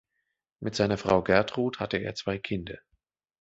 Mit seiner Frau Gertrud hatte er zwei Kinder.